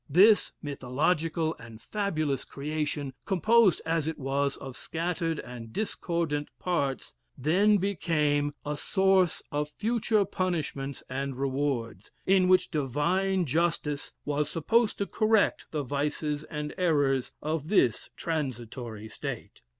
This mythological and fabulous creation, composed as it was of scattered and discordant parts, then became a source of future punishments and rewards, in which divine justice was supposed to correct the vices and errors of this transitory state.